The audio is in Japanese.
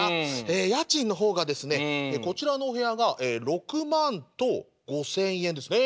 ええ家賃の方がですねこちらのお部屋が６万と５，０００円ですね。